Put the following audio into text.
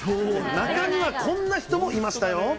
中にはこんな人もいましたよ。